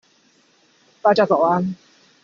大家早安